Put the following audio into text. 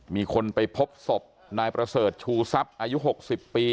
มีคนไปพบศพนายประเสริฐชูทรัพย์อายุ๖๐ปี